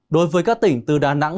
đối với các tỉnh từ đà nẵng